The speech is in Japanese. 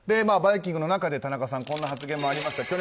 「バイキング」の中で田中さんこんな発言がありました。